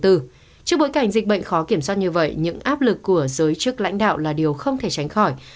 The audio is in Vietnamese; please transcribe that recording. trước bối cảnh dịch bệnh khó kiểm soát như vậy những áp lực của giới chức lãnh đạo là điều không thể tránh khỏi